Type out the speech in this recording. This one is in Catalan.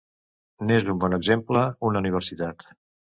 N'és un bon exemple una universitat.